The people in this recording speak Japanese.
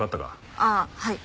あっはい。